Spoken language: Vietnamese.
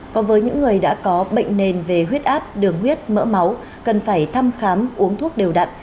còn với những người đã có bệnh nền về huyết áp đường huyết mỡ máu cần phải thăm khám uống thuốc đều đặn